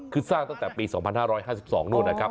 คือสร้างตั้งแต่ปี๒๕๕๒นู่นนะครับ